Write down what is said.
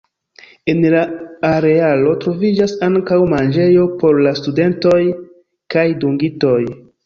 En la arealo troviĝas ankaŭ manĝejo por la studentoj kaj dungitoj.